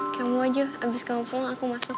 kamu aja abis kamu pulang aku masuk